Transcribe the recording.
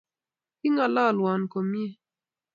Kingalalwon komnyei